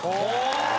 お！